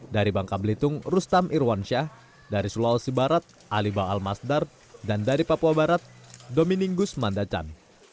dari bangka blitung rustam irwansyah dari sulawesi barat aliba almasdar dan dari papua barat dominik gus mandacan